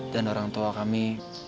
dan orang tua kami